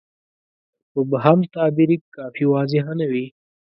مبهم تعبیر کافي واضحه نه وي.